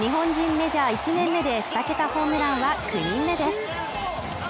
メジャー１年目で２桁ホームランは９人目です。